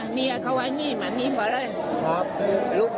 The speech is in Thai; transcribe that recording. เมียเขาไองี้มานีก่อนเลย